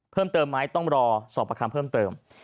เพิ่มเติมไหมต้องรอสอบประคำเพิ่มเติม